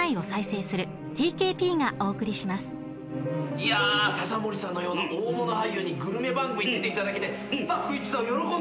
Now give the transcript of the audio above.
いや刺森さんのような大物俳優にグルメ番組に出ていただけてスタッフ一同喜んでおります。